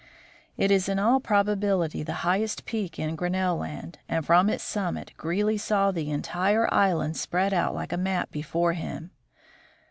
It is in all prob ability the highest peak in Grinnell land, and from its sum mit Greely saw the entire island spread out like a map before him.